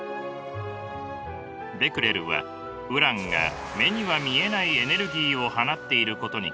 ベクレルはウランが目には見えないエネルギーを放っていることに気付きました。